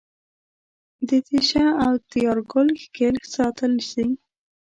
د تېشه او د یارګل ښکلل ستایل سي